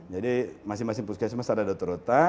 jadi masing masing puskesmas ada dokter rota